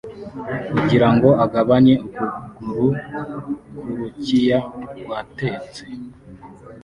kugirango agabanye ukuguru kurukiya rwatetse